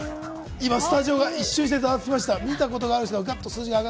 今スタジオが一瞬にして、ざわつきました。